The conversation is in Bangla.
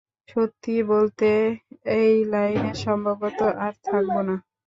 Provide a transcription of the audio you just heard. সত্যি বলতে, এই লাইনে সম্ভবত আর থাকবো না।